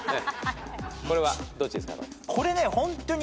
これはどっちですか？